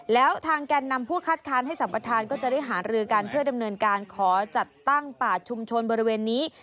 แล้วทางแก่นนำผู้คัดค้านให้สัมประธานก็จะได้หารือกันเพื่อดำเนินการขอจัดตั้งป่าชุมชนบริเวณนี้